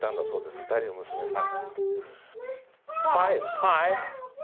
２人の娘さん。